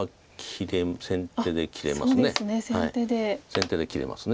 先手で切れます。